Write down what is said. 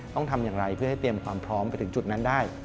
ต้องทำอย่างไรเพื่อให้เตรียมความพร้อมไปถึงจุดนั้นได้